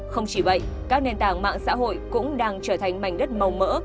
không chỉ vậy các nền tảng mạng xã hội cũng đang trở thành mảnh đất màu mỡ